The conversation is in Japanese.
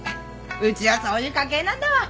ウチはそういう家系なんだわ。